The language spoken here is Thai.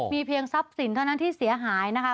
มีเพียงทรัพย์สินเท่านั้นที่เสียหายนะคะ